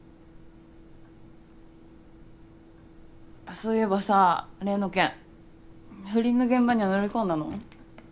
そういえばさ例の件不倫の現場には乗り込んだの？